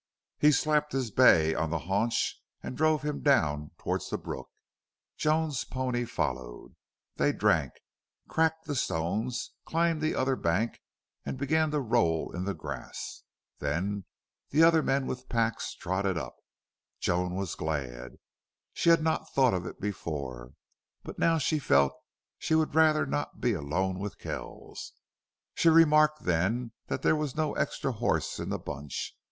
He slapped his bay on the haunch and drove him down toward the brook. Joan's pony followed. They drank, cracked the stones, climbed the other bank, and began to roll in the grass. Then the other men with the packs trotted up. Joan was glad. She had not thought of it before, but now she felt she would rather not be alone with Kells. She remarked then that there was no extra horse in the bunch.